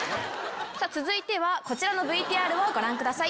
続いてはこちらのＶＴＲをご覧ください。